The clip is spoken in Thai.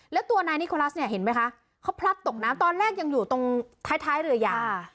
แล้วตัวนายนิโคลัสเนี่ยเห็นไหมคะเขาพลัดตกน้ำตอนแรกยังอยู่ตรงท้ายเรือยา